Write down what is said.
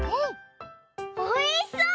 おいしそう！